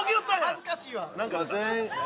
恥ずかしいわ！